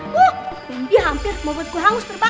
baby hampir mau buat gue hangus terbakar